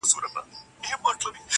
په ورور تور پوري کوې په زړه خیرنه,